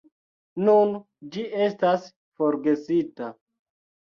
Nun ĝi estas forgesita.